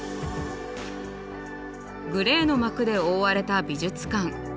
グレーの幕で覆われた美術館。